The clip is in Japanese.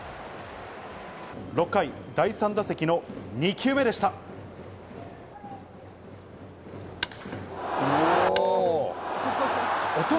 ６回、第３打席の２球目でしうぉ！